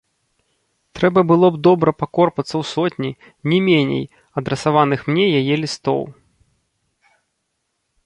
Трэба было б добра пакорпацца ў сотні, не меней, адрасаваных мне яе лістоў.